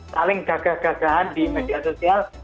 saling gagah gagahan di media sosial